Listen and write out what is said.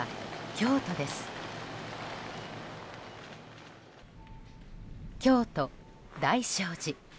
京都・大聖寺。